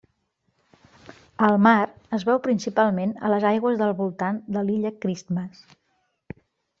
Al mar, es veu principalment a les aigües del voltant de l'illa Christmas.